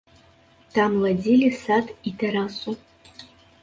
Там ладзілі сад і тэрасу.